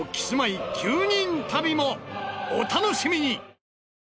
お楽しみに！